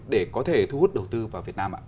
để có thể thu hút đầu tư vào việt nam ạ